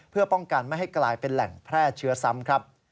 เพื่อป้องกันไม่ให้กลายเป็นแหล่งแพร่เชื้อซ้ำครับ